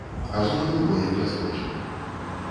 Ажно люба, як ляскоча.